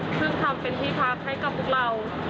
ซึ่งทำเป็นที่พักให้กับพวกเรา